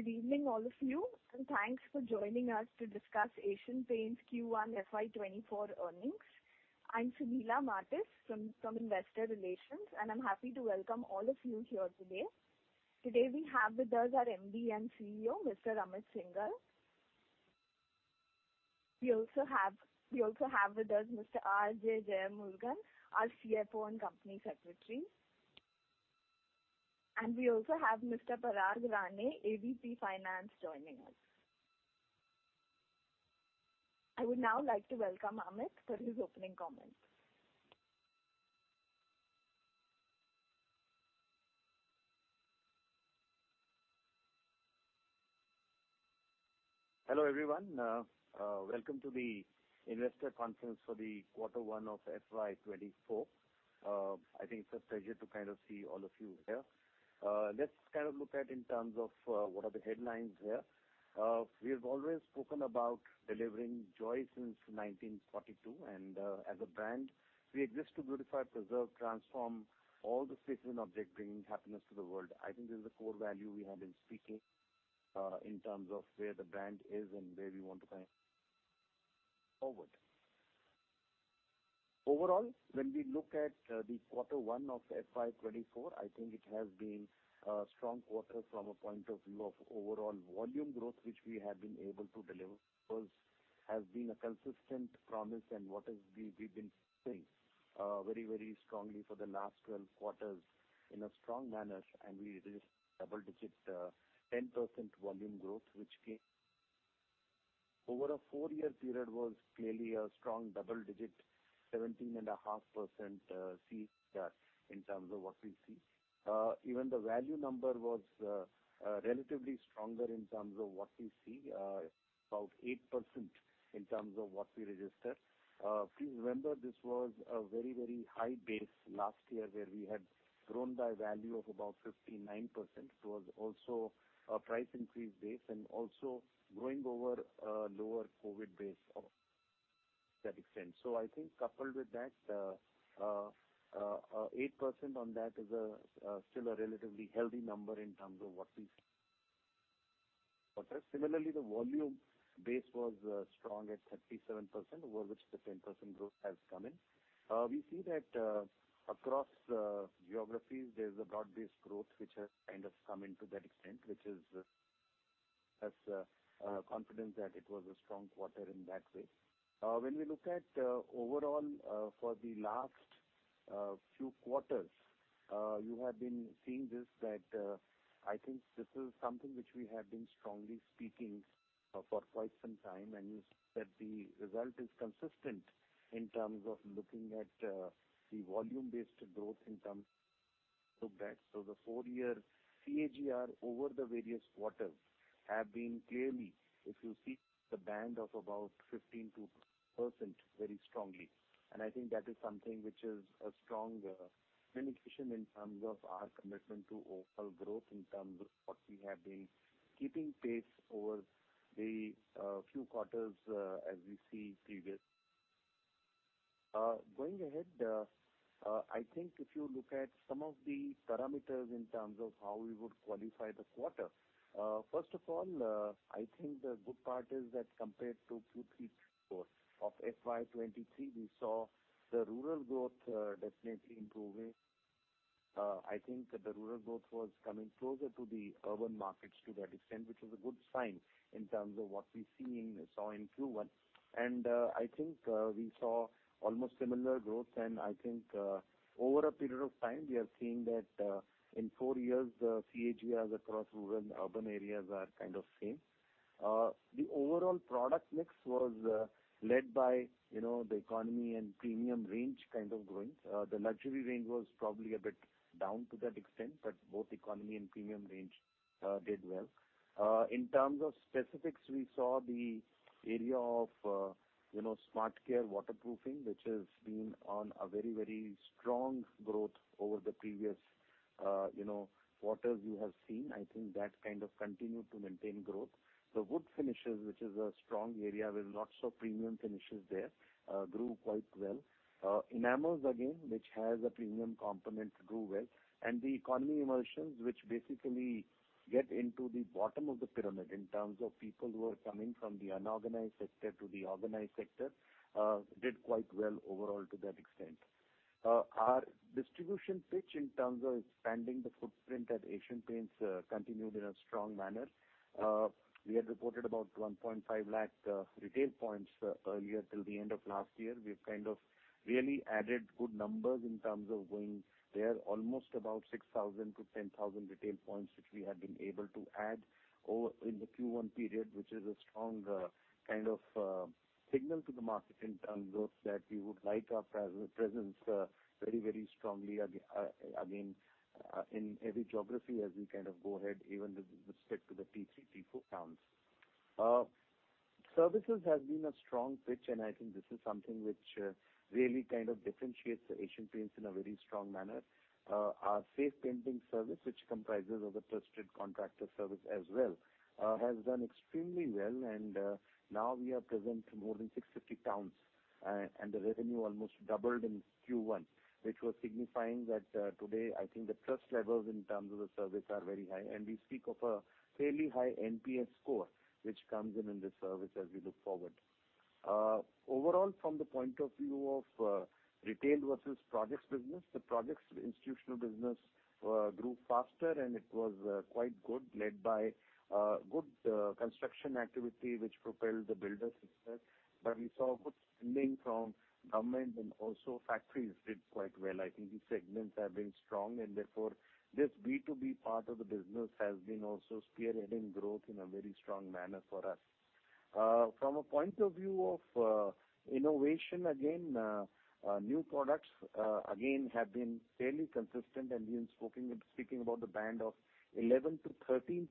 Good evening, all of you, and thanks for joining us to discuss Asian Paints Q1 FY24 earnings. I'm Sunila Martis from Investor Relations, and I'm happy to welcome all of you here today. Today, we have with us our MD and CEO, Mr. Amit Syngle. We also have with us Mr. R.J. Jeyamurugan, our CFO and Company Secretary. We also have Mr. Parag Rane, AVP Finance, joining us. I would now like to welcome Amit for his opening comments. Hello, everyone. Welcome to the investor conference for the Quarter One of FY 2024. I think it's a pleasure to kind of see all of you here. Let's kind of look at in terms of what are the headlines here. We have always spoken about delivering joy since 1942, and as a brand, we exist to beautify, preserve, transform all the space and object, bringing happiness to the world. I think this is the core value we have been speaking in terms of where the brand is and where we want to kind of go forward. Overall, when we look at the Quarter One of FY 2024, I think it has been a strong quarter from a point of view of overall volume growth, which we have been able to deliver, has been a consistent promise and what we've been seeing very, very strongly for the last 12 quarters in a strong manner. We registered double-digit 10% volume growth, which came over a four-year period was clearly a strong double-digit 17.5% see in terms of what we see. Even the value number was relatively stronger in terms of what we see, about 8% in terms of what we registered. Please remember, this was a very, very high base last year, where we had grown by value of about 59%. It was also a price increase base and also growing over a lower COVID base of that extent. I think coupled with that, 8% on that is still a relatively healthy number in terms of what we see. Similarly, the volume base was strong at 37%, over which the 10% growth has come in. We see that across geographies, there's a broad-based growth which has kind of come in to that extent, which is has a confidence that it was a strong quarter in that way. When we look at overall for the last few quarters, you have been seeing this, that I think this is something which we have been strongly speaking for quite some time, and that the result is consistent in terms of looking at the volume-based growth in terms of that. So the four-year CAGR over the various quarters have been clearly, if you see, the band of about 15%-20% very strongly. I think that is something which is a strong communication in terms of our commitment to overall growth, in terms of what we have been keeping pace over the few quarters as we see previous. Going ahead, I think if you look at some of the parameters in terms of how we would qualify the quarter. First of all, I think the good part is that compared to Q3 of FY 2023, we saw the rural growth definitely improving. I think that the rural growth was coming closer to the urban markets to that extent, which is a good sign in terms of what we're seeing, saw in Q1. I think we saw almost similar growth. I think over a period of time, we are seeing that in four years, the CAGRs across rural and urban areas are kind of same. The overall product mix was led by, you know, the economy and premium range kind of growing. The luxury range was probably a bit down to that extent, but both economy and premium range did well. In terms of specifics, we saw the area of, you know, SmartCare waterproofing, which has been on a very, very strong growth over the previous, you know, quarters you have seen. I think that kind of continued to maintain growth. The wood finishes, which is a strong area with lots of premium finishes there, grew quite well. Enamels, again, which has a premium component, grew well. The economy emulsions, which basically get into the bottom of the pyramid in terms of people who are coming from the unorganized sector to the organized sector, did quite well overall to that extent. Our distribution pitch in terms of expanding the footprint at Asian Paints, continued in a strong manner. We had reported about 1.5 lakh retail points earlier till the end of last year. We've kind of really added good numbers in terms of going there, almost about 6,000-10,000 retail points, which we have been able to add, or in the Q1 period, which is a strong kind of signal to the market in terms of that we would like our presence very, very strongly again in every geography as we kind of go ahead, even with respect to the T3, T4 towns. Services has been a strong pitch, I think this is something which really kind of differentiates the Asian Paints in a very strong manner. Our Safe Painting Service, which comprises of a trusted contractor service as well, has done extremely well. Now we are present in more than 650 towns, and the revenue almost doubled in Q1, which was signifying that, today, I think the trust levels in terms of the service are very high. We speak of a fairly high NPS score, which comes in this service as we look forward. Overall, from the point of view of retail versus projects business, the projects institutional business grew faster, and it was quite good, led by good construction activity, which propelled the builder success. We saw good spending from government, and also factories did quite well. I think these segments have been strong, and therefore this B2B part of the business has been also spearheading growth in a very strong manner for us. From a point of view of innovation, again, new products, again, have been fairly consistent, and we've been speaking about the band of 11%-13%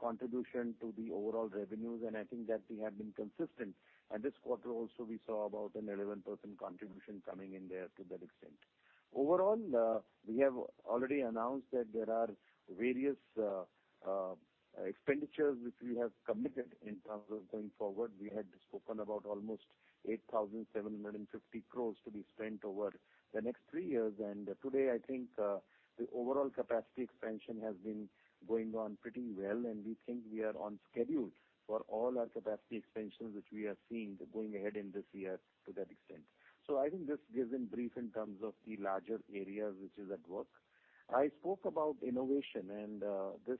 contribution to the overall revenues, and I think that we have been consistent. This quarter also, we saw about an 11% contribution coming in there to that extent. Overall, we have already announced that there are various expenditures which we have committed in terms of going forward. We had spoken about almost 8,750 crores to be spent over the next three years. Today, I think, the overall capacity expansion has been going on pretty well, and we think we are on schedule for all our capacity expansions, which we are seeing going ahead in this year to that extent. I think this gives in brief in terms of the larger area which is at work. I spoke about innovation, this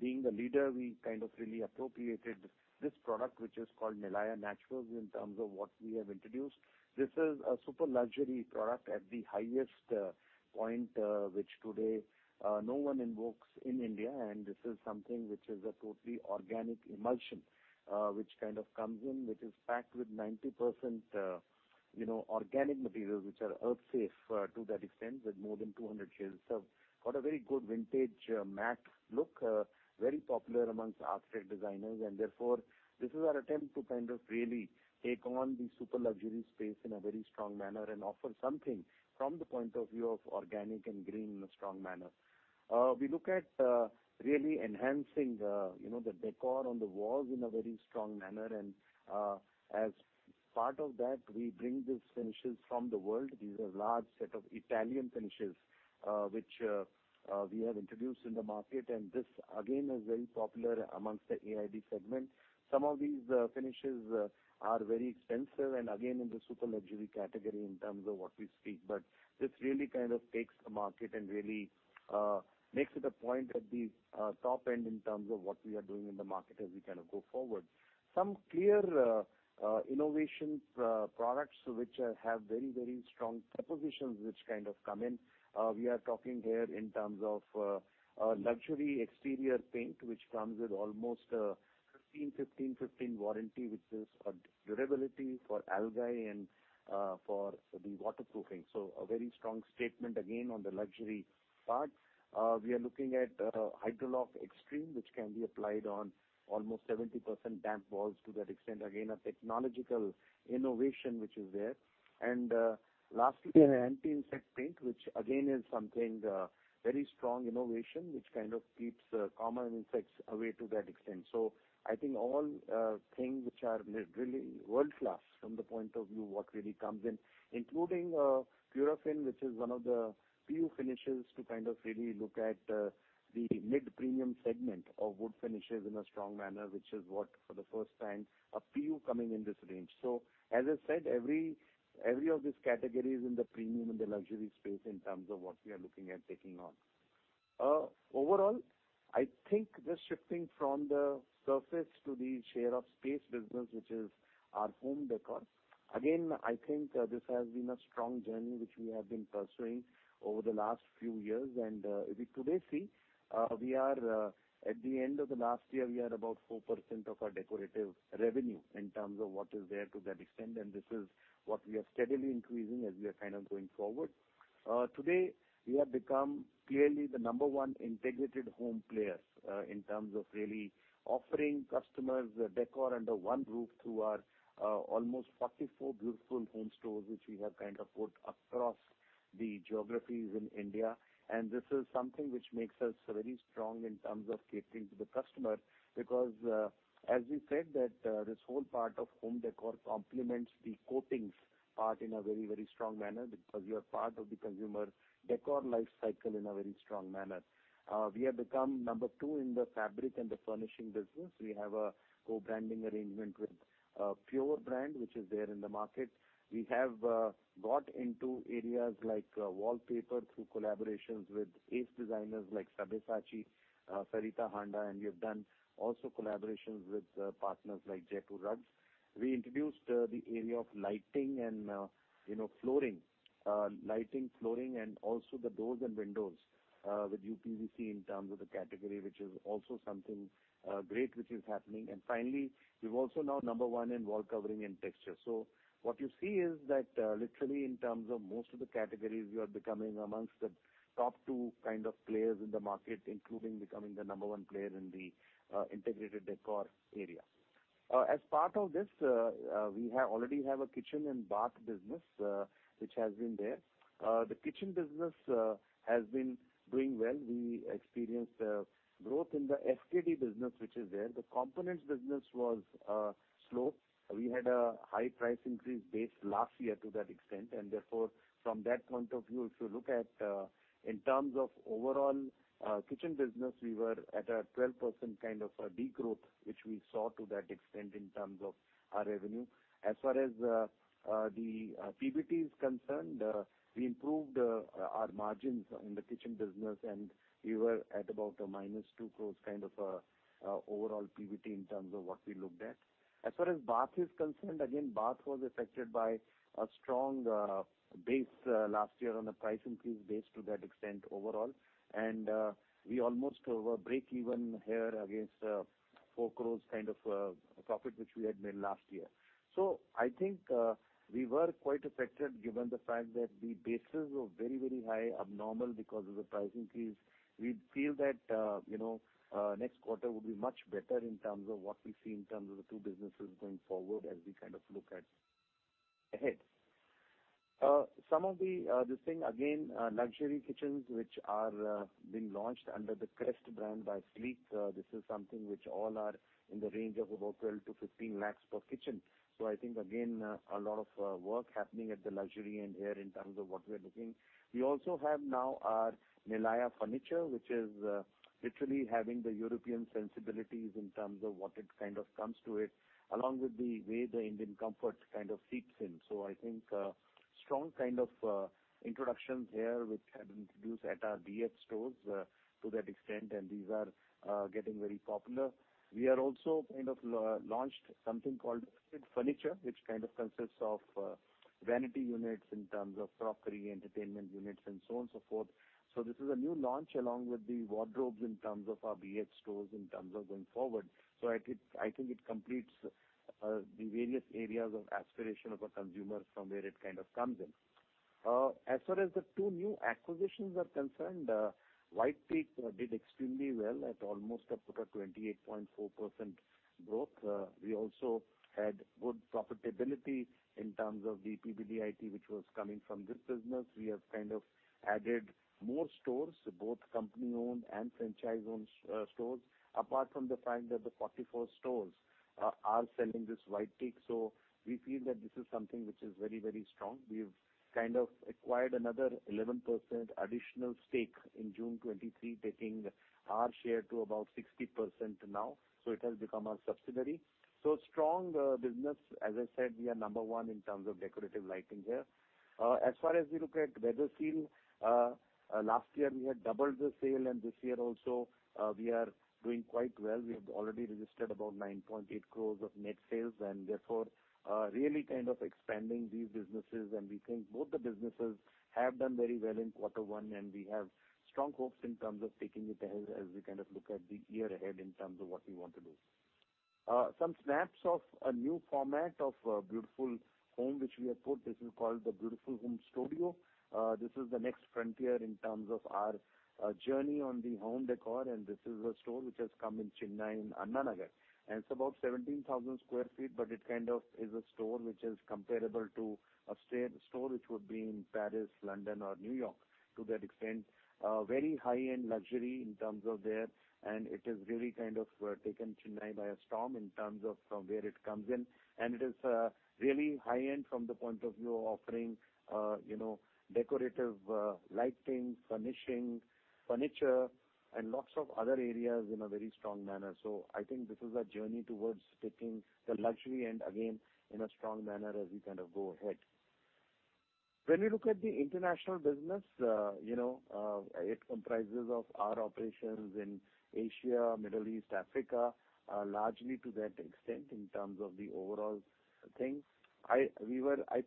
being the leader, we kind of really appropriated this product, which is called Nilaya Naturals, in terms of what we have introduced. This is a super luxury product at the highest point, which today, no one invokes in India. This is something which is a totally organic emulsion, which kind of comes in, which is packed with 90%, you know, organic materials, which are earth safe, to that extent, with more than 200 shades. Got a very good vintage matte look, very popular amongst architect designers, and therefore, this is our attempt to kind of really take on the super luxury space in a very strong manner and offer something from the point of view of organic and green in a strong manner. We look at really enhancing the, you know, the decor on the walls in a very strong manner. As part of that, we bring these finishes from the world. These are large set of Italian finishes, which we have introduced in the market, and this again is very popular amongst the AID segment. Some of these finishes are very expensive and again, in the super luxury category in terms of what we speak. This really kind of takes the market and really makes it a point at the top end in terms of what we are doing in the market as we kind of go forward. Some clear innovations, products which have very, very strong propositions which kind of come in. We are talking here in terms of a luxury exterior paint, which comes with almost 15, 15 warranty, which is for durability, for algae, and for the waterproofing. A very strong statement again, on the luxury part. We are looking at SmartCare Hydroloc Xtreme, which can be applied on almost 70% damp walls to that extent. Again, a technological innovation which is there. Lastly, an anti-insect paint, which again is something very strong innovation, which kind of keeps common insects away to that extent. I think all things which are really world-class from the point of view, what really comes in, including Purofin, which is one of the few finishes to kind of really look at the mid-premium segment of wood finishes in a strong manner, which is what, for the first time, a PU coming in this range. As I said, every of these categories in the premium and the luxury space in terms of what we are looking at taking on. Overall, I think the shifting from the surface to the share of space business, which is our home decor. I think this has been a strong journey which we have been pursuing over the last few years. We today see, we are, at the end of the last year, we are about 4% of our decorative revenue in terms of what is there to that extent, and this is what we are steadily increasing as we are kind of going forward. Today, we have become clearly the number one integrated home player, in terms of really offering customers decor under one roof through our, almost 44 Beautiful Homes stores, which we have kind of put across the geographies in India. This is something which makes us very strong in terms of catering to the customer, because, as we said, that, this whole part of home decor complements the coatings part in a very, very strong manner, because you are part of the consumer decor life cycle in a very strong manner. We have become number two in the fabric and the furnishing business. We have a co-branding arrangement with Pure Brand, which is there in the market. We have got into areas like wallpaper through collaborations with ace designers like Sabyasachi, Sarita Handa, and we have done also collaborations with partners like Jaipur Rugs. We introduced the area of lighting and, you know, flooring. Lighting, flooring, and also the doors and windows with uPVC in terms of the category, which is also something great, which is happening. Finally, we are also now number one in wall covering and texture. What you see is that, literally, in terms of most of the categories, we are becoming amongst the top two kind of players in the market, including becoming the number one player in the integrated décor area. As part of this, we already have a kitchen and bath business, which has been there. The kitchen business has been doing well. We experienced growth in the SKD business, which is there. The components business was slow. We had a high price increase base last year to that extent, from that point of view, if you look at in terms of overall kitchen business, we were at a 12% kind of a degrowth, which we saw to that extent in terms of our revenue. As far as the PBT is concerned, we improved our margins in the kitchen business, and we were at about a -2 growth, kind of a overall PBT in terms of what we looked at. As far as bath is concerned, again, bath was affected by a strong base last year on a price increase base to that extent overall. We almost were break even here against 4 crores kind of profit, which we had made last year. I think we were quite affected, given the fact that the bases were very, very high, abnormal because of the price increase. We feel that, you know, next quarter will be much better in terms of what we see in terms of the two businesses going forward, as we kind of look at ahead. Some of the thing again, luxury kitchens, which are being launched under the Crest brand by Sleek. This is something which all are in the range of about 12 lakhs-15 lakhs per kitchen. I think again, a lot of work happening at the luxury end here in terms of what we are looking. We also have now our Nilaya furniture, which is literally having the European sensibilities in terms of what it kind of comes to it, along with the way the Indian comfort kind of seeps in. I think, strong kind of introductions here, which have been introduced at our BH stores, to that extent, and these are getting very popular. We are also kind of launched something called furniture, which kind of consists of vanity units in terms of crockery, entertainment units and so on, so forth. This is a new launch, along with the wardrobes in terms of our BH stores, in terms of going forward. I think it completes the various areas of aspiration of a consumer from where it kind of comes in. As far as the 2 new acquisitions are concerned, White Teak did extremely well at almost about a 28.4% growth. We also had good profitability in terms of the PBDIT, which was coming from this business. We have kind of added more stores, both company-owned and franchise-owned stores, apart from the fact that the 44 stores are selling this White Teak. We feel that this is something which is very, very strong. We've kind of acquired another 11% additional stake in June 2023, taking our share to about 60% now, so it has become our subsidiary. Strong business. As I said, we are number one in terms of decorative lighting here. As far as we look at Weatherseal, last year, we had doubled the sale, and this year also, we are doing quite well. We have already registered about 9.8 crores of net sales, and therefore, really kind of expanding these businesses. We think both the businesses have done very well in Quarter 1, and we have strong hopes in terms of taking it ahead as we kind of look at the year ahead in terms of what we want to do. Some snaps of a new format of Beautiful Homes, which we have put. This is called the Beautiful Homes Studio. This is the next frontier in terms of our journey on the home décor. This is a store which has come in Chennai, in Anna Nagar, and it's about 17,000 sq ft, but it kind of is a store which is comparable to a store which would be in Paris, London, or New York, to that extent. Very high-end luxury in terms of there, and it has really kind of taken Chennai by a storm in terms of from where it comes in. It is really high-end from the point of view of offering, you know, decorative lighting, furnishing, furniture, and lots of other areas in a very strong manner. I think this is a journey towards taking the luxury, and again, in a strong manner as we kind of go ahead. We look at the international business, you know, it comprises of our operations in Asia, Middle East, Africa, largely to that extent in terms of the overall thing. I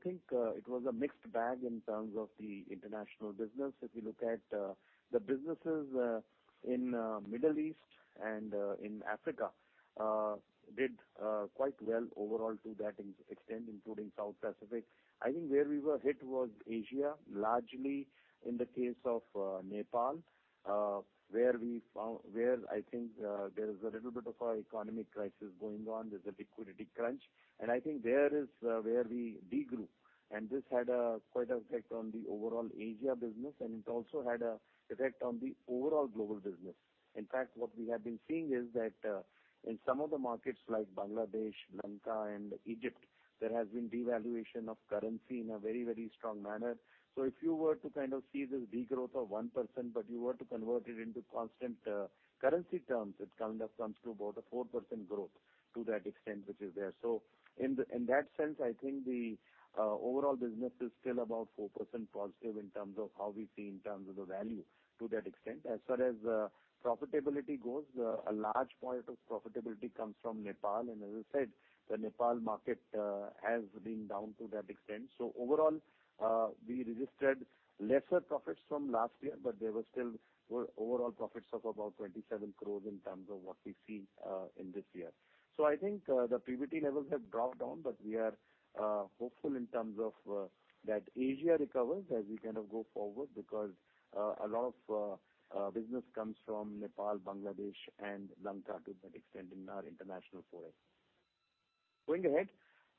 think, it was a mixed bag in terms of the international business. If you look at the businesses in Middle East and in Africa did quite well overall to that extent, including South Pacific. I think where we were hit was Asia, largely in the case of Nepal, where we found. Where I think, there is a little bit of an economic crisis going on. There's a liquidity crunch, and I think there is where we degrew. This had a quite effect on the overall Asia business, and it also had a effect on the overall global business. In fact, what we have been seeing is that in some of the markets like Bangladesh, Sri Lanka and Egypt, there has been devaluation of currency in a very, very strong manner. If you were to kind of see this degrowth of 1%, but you were to convert it into constant currency terms, it kind of comes to about a 4% growth to that extent, which is there. In that sense, I think the overall business is still about 4% positive in terms of how we see in terms of the value to that extent. As far as profitability goes, a large part of profitability comes from Nepal, and as I said, the Nepal market has been down to that extent. Overall, we registered lesser profits from last year, but there were still overall profits of about 27 crores in terms of what we see in this year. I think, the PBT levels have dropped down, but we are hopeful in terms of that Asia recovers as we kind of go forward. A lot of business comes from Nepal, Bangladesh and Sri Lanka to that extent in our international foray.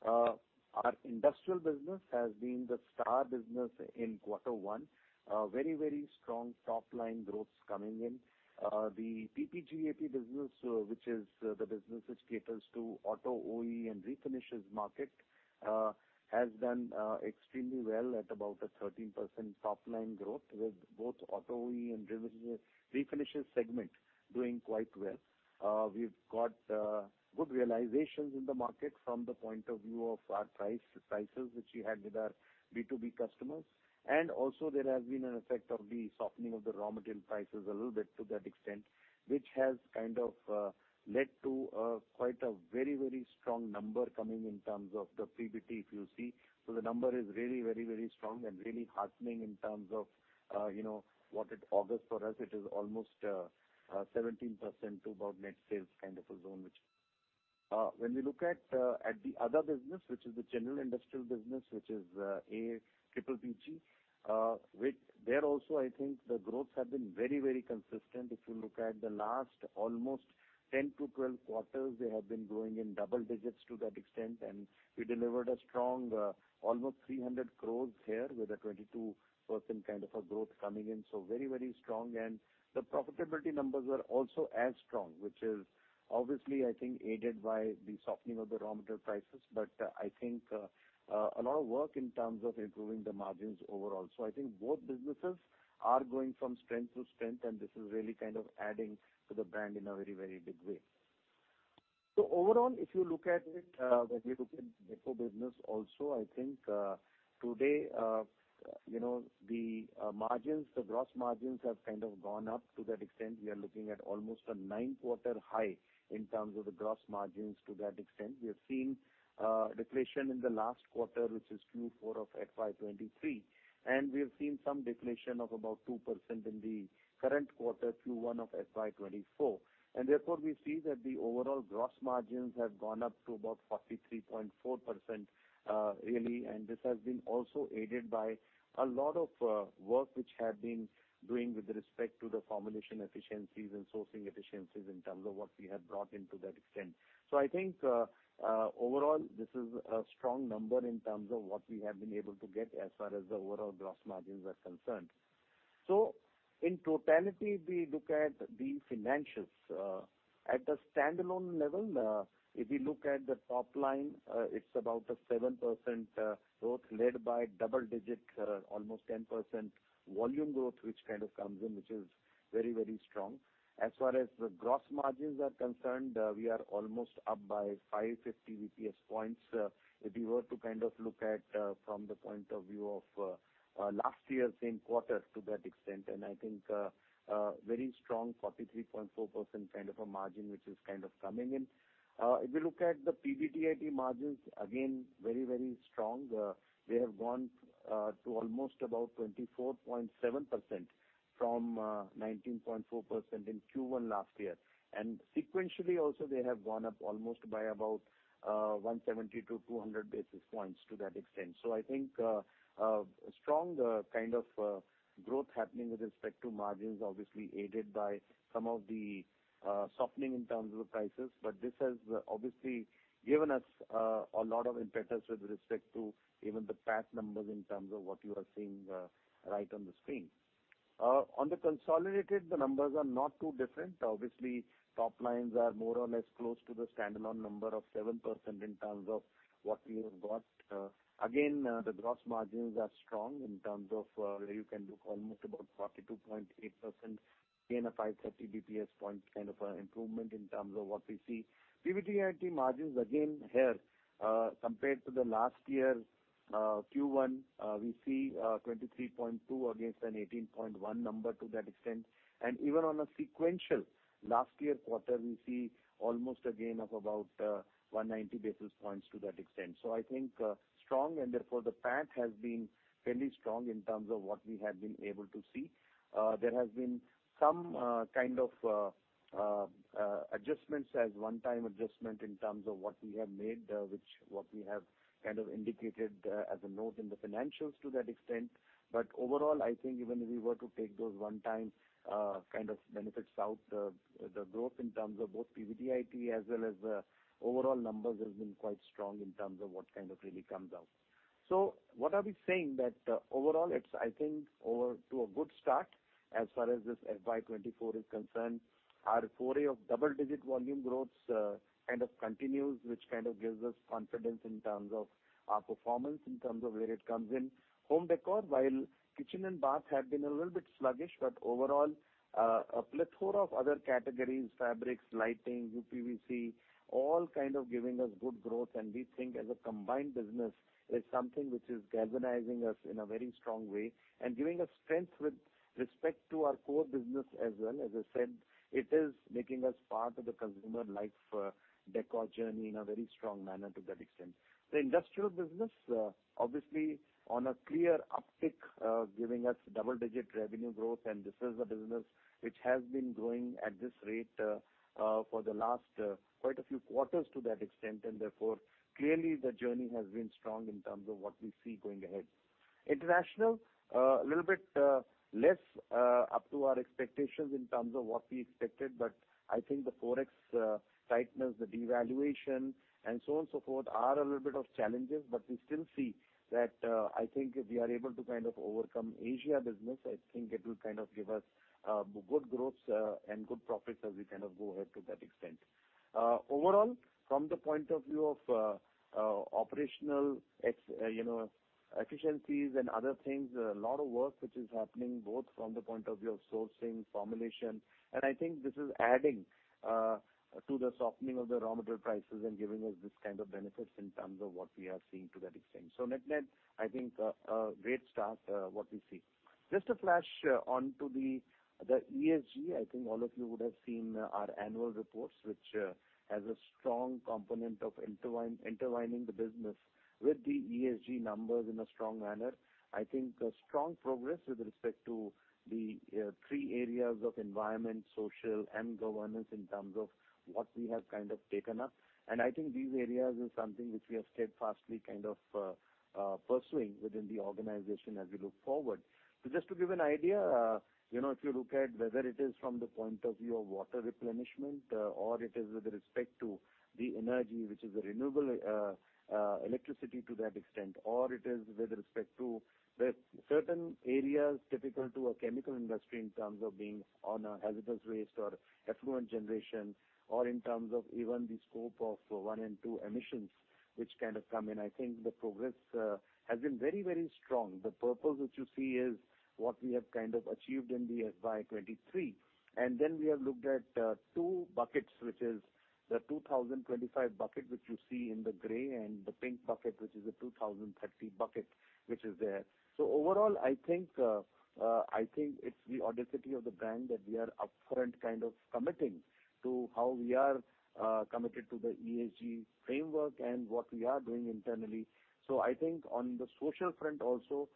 Our industrial business has been the star business in Q1. A very, very strong top line growth coming in. The PPGAP business, which is the business which caters to auto OE and refinishes market, has done extremely well at about a 13% top line growth, with both auto OE and driven refinishes segment doing quite well. We've got good realizations in the market from the point of view of our price, prices which we had with our B2B customers. There has been an effect of the softening of the raw material prices a little bit to that extent, which has kind of led to quite a very, very strong number coming in terms of the PBT, if you see. The number is really very, very strong and really heartening in terms of, you know, what it augurs for us. It is almost 17% to about net sales kind of a zone. When we look at the other business, which is the general industrial business, which is PPGAP, which there also, I think the growth have been very, very consistent. If you look at the last almost 10-12 quarters, they have been growing in double digits to that extent. We delivered a strong almost 300 crore here, with a 22% kind of a growth coming in. Very, very strong. The profitability numbers are also as strong, which is obviously, I think, aided by the softening of the raw material prices. I think a lot of work in terms of improving the margins overall. I think both businesses are going from strength to strength, and this is really kind of adding to the brand in a very, very big way. Overall, if you look at it, when we look at Decor business also, I think, you know, the margins, the gross margins have kind of gone up to that extent. We are looking at almost a nine-quarter high in terms of the gross margins to that extent. We have seen deflation in the last quarter, which is Q4 of FY 2023, and we have seen some deflation of about 2% in the current quarter, Q1 of FY 2024. Therefore, we see that the overall gross margins have gone up to about 43.4%, really, and this has been also aided by a lot of work which had been doing with respect to the formulation efficiencies and sourcing efficiencies in terms of what we have brought into that extent. I think, overall, this is a strong number in terms of what we have been able to get as far as the overall gross margins are concerned. In totality, we look at the financials. At the standalone level, if you look at the top line, it's about a 7% growth led by double digits, almost 10% volume growth, which kind of comes in, which is very, very strong. As far as the gross margins are concerned, we are almost up by 550 basis points. If you were to kind of look at from the point of view of last year's same quarter to that extent, very strong, 43.4% kind of a margin, which is kind of coming in. If you look at the PBDIT margins, again, very, very strong. They have gone to almost about 24.7% from 19.4% in Q1 last year. Sequentially also, they have gone up almost by about 170-200 basis points to that extent. Strong kind of growth happening with respect to margins, obviously aided by some of the softening in terms of the prices. This has obviously given us a lot of impetus with respect to even the past numbers in terms of what you are seeing right on the screen. On the consolidated, the numbers are not too different. Obviously, top lines are more or less close to the standalone number of 7% in terms of what we have got. Again, the gross margins are strong in terms of you can look almost about 42.8%, again, a 530 basis points kind of an improvement in terms of what we see. PBDIT margins, again, here, compared to the last year, Q1, we see 23.2% against an 18.1% number to that extent. Even on a sequential last year quarter, we see almost a gain of about 190 basis points to that extent. I think strong, and therefore the path has been fairly strong in terms of what we have been able to see. There has been some kind of adjustments as one time adjustment in terms of what we have made, which what we have kind of indicated as a note in the financials to that extent. Overall, I think even if we were to take those one time kind of benefits out, the growth in terms of both PBDIT as well as overall numbers has been quite strong in terms of what kind of really comes out. What are we saying? That overall it's I think, over to a good start as far as this FY 2024 is concerned. Our foray of double-digit volume growth, kind of continues, which kind of gives us confidence in terms of our performance, in terms of where it comes in. Home Decor, while kitchen and bath have been a little bit sluggish, but overall, a plethora of other categories, fabrics, lighting, uPVC, all kind of giving us good growth. We think as a combined business, it's something which is galvanizing us in a very strong way and giving us strength with respect to our core business as well. As I said, it is making us part of the consumer life, decor journey in a very strong manner to that extent. The industrial business, obviously on a clear uptick, giving us double-digit revenue growth, and this is a business which has been growing at this rate for the last quite a few quarters to that extent. Clearly, the journey has been strong in terms of what we see going ahead. International, a little bit less up to our expectations in terms of what we expected. I think the ForEx tightness, the devaluation, and so on and so forth, are a little bit of challenges, but we still see that, I think if we are able to kind of overcome Asia business, I think it will kind of give us good growth and good profits as we kind of go ahead to that extent. Overall, from the point of view of, you know, operational efficiencies and other things, a lot of work which is happening both from the point of view of sourcing, formulation. I think this is adding to the softening of the raw material prices and giving us this kind of benefits in terms of what we are seeing to that extent. Net-net, I think, a great start, what we see. Just a flash onto the ESG. I think all of you would have seen our annual reports, which has a strong component of intertwining the business with the ESG numbers in a strong manner. I think a strong progress with respect to the three areas of environment, social, and governance, in terms of what we have kind of taken up. I think these areas is something which we are steadfastly kind of pursuing within the organization as we look forward. Just to give an idea, you know, if you look at whether it is from the point of view of water replenishment, or it is with respect to the energy, which is a renewable electricity to that extent. Or it is with respect to the certain areas typical to a chemical industry, in terms of being on a hazardous waste or effluent generation, or in terms of even the scope of 1 and 2 emissions, which kind of come in. I think the progress has been very, very strong. The purpose which you see is what we have kind of achieved in the FY 2023. We have looked at two buckets, which is the 2025 bucket, which you see in the gray, and the pink bucket, which is a 2030 bucket, which is there. I think, I think it's the audacity of the brand that we are upfront kind of committing to how we are committed to the ESG framework and what we are doing internally. On the social front also,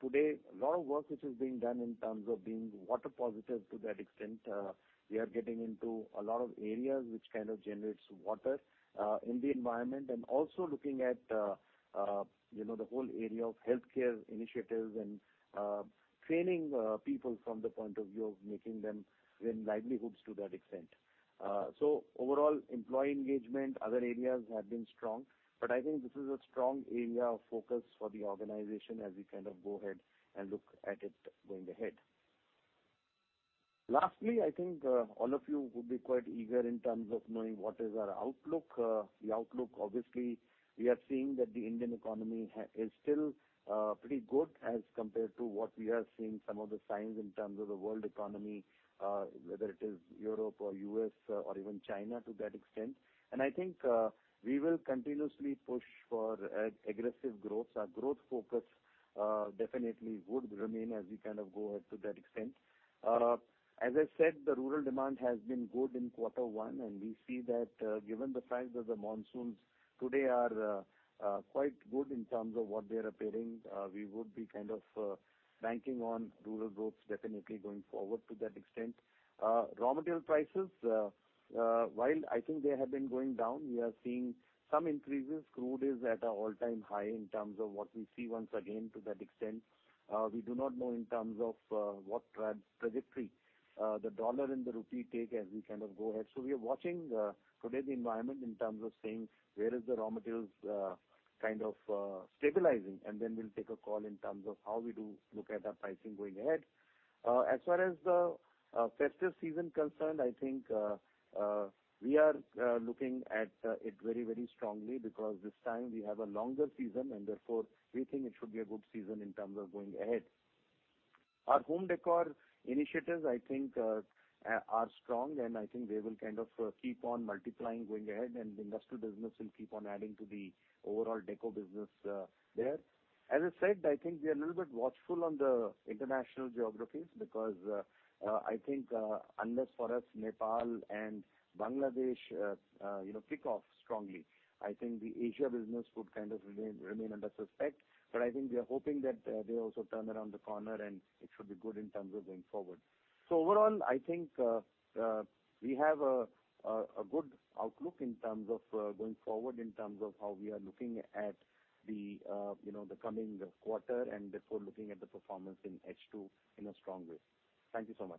today, a lot of work which is being done in terms of being water positive to that extent. We are getting into a lot of areas which kind of generates water in the environment. Looking at, you know, the whole area of healthcare initiatives and training people from the point of view of making them earn livelihoods to that extent. Overall, employee engagement, other areas have been strong, but I think this is a strong area of focus for the organization as we kind of go ahead and look at it going ahead. Lastly, I think, all of you would be quite eager in terms of knowing what is our outlook. The outlook, obviously, we are seeing that the Indian economy is still, pretty good as compared to what we have seen some of the signs in terms of the world economy, whether it is Europe or U.S., or even China to that extent. I think, we will continuously push for aggressive growth. Our growth focus, definitely would remain as we kind of go ahead to that extent. As I said, the rural demand has been good in quarter one, and we see that, given the signs of the monsoons today are quite good in terms of what they are appearing. We would be kind of banking on rural growth definitely going forward to that extent. Raw material prices, while I think they have been going down, we are seeing some increases. Crude is at an all-time high in terms of what we see once again to that extent. We do not know in terms of what trajectory the dollar and the rupee take as we kind of go ahead. We are watching today's environment in terms of saying where is the raw materials kind of stabilizing, and then we'll take a call in terms of how we do look at our pricing going ahead. As far as the festive season concerned, I think we are looking at it very, very strongly, because this time we have a longer season, and therefore, we think it should be a good season in terms of going ahead. Our home decor initiatives, I think, are strong, and I think they will kind of keep on multiplying going ahead, and the industrial business will keep on adding to the overall deco business there. As I said, I think we are a little bit watchful on the international geographies because, I think, unless for us, Nepal and Bangladesh, you know, kick off strongly, I think the Asia business would kind of remain under suspect. I think we are hoping that, they also turn around the corner, and it should be good in terms of going forward. Overall, I think, we have a good outlook in terms of, going forward, in terms of how we are looking at the, you know, the coming quarter, and therefore, looking at the performance in H2 in a strong way. Thank you so much.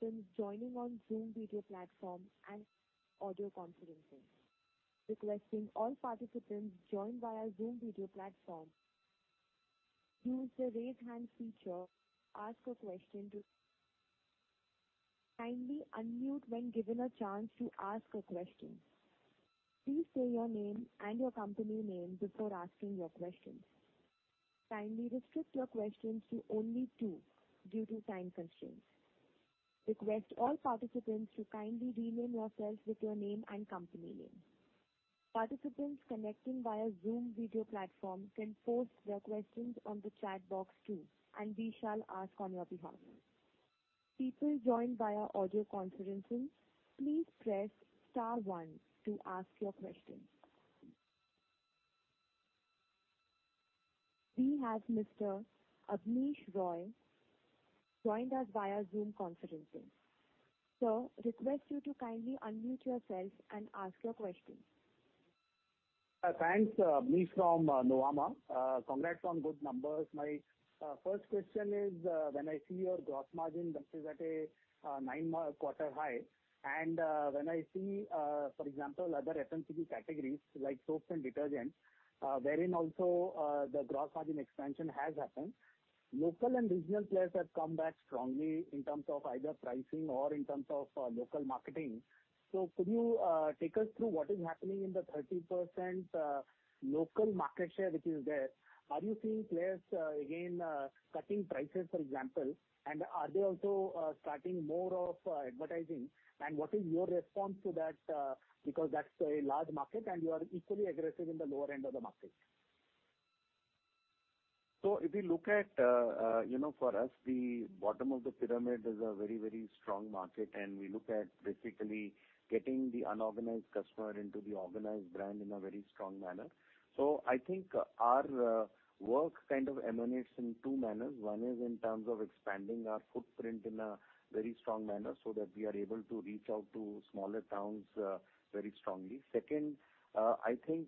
Been joining on Zoom video platform and audio conferencing. Requesting all participants joined via Zoom video platform, use the Raise Hand feature, ask a question. Kindly unmute when given a chance to ask a question. Please say your name and your company name before asking your question. Kindly restrict your questions to only two due to time constraints. Request all participants to kindly rename yourselves with your name and company name. Participants connecting via Zoom video platform can post their questions on the chat box too, and we shall ask on your behalf. People joined via audio conferencing, please press star one to ask your question. We have Mr. Abneesh Roy joined us via Zoom conferencing. Sir, request you to kindly unmute yourself and ask your question. Thanks, me from Nuvama. Congrats on good numbers. My first question is, when I see your gross margin, which is at a nine quarter high, and when I see, for example, other FMCG categories, like soaps and detergents, wherein also, the gross margin expansion has happened, local and regional players have come back strongly in terms of either pricing or in terms of local marketing. Could you take us through what is happening in the 30% local market share, which is there? Are you seeing players, again, cutting prices, for example, and are they also, starting more of advertising? What is your response to that, because that's a large market, and you are equally aggressive in the lower end of the market. If you look at, you know, for us, the bottom of the pyramid is a very, very strong market, we look at basically getting the unorganized customer into the organized brand in a very strong manner. I think our work kind of emanates in two manners. One is in terms of expanding our footprint in a very strong manner, so that we are able to reach out to smaller towns very strongly. Second, I think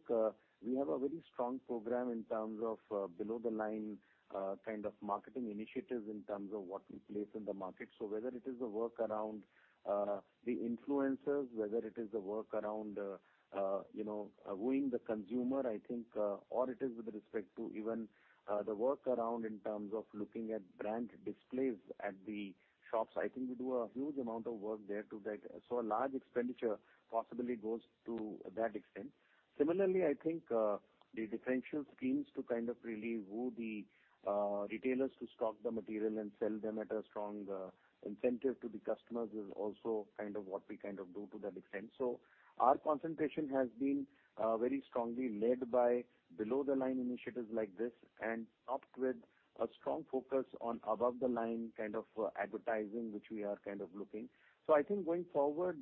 we have a very strong program in terms of below-the-line kind of marketing initiatives in terms of what we place in the market. Whether it is the work around the influencers, whether it is the work around, you know, wooing the consumer, I think, or it is with respect to even the work around in terms of looking at brand displays at the shops, I think we do a huge amount of work there to that. A large expenditure possibly goes to that extent. Similarly, I think, the differential schemes to kind of really woo the retailers to stock the material and sell them at a strong incentive to the customers is also kind of what we kind of do to that extent. Our concentration has been very strongly led by below-the-line initiatives like this, and upped with a strong focus on above-the-line kind of advertising, which we are kind of looking. I think going forward,